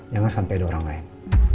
jangan sampai ada orang lain